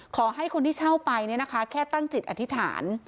ขอให้คนที่เช่าไปเนี่ยนะคะแค่ตั้งจิตอธิษฐาน